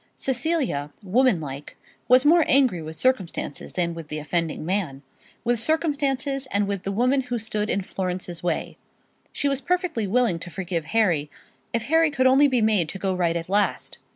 Cecilia, womanlike, was more angry with circumstances than with the offending man, with circumstances and with the woman who stood in Florence's way. She was perfectly willing to forgive Harry, if Harry could only be made to go right at last.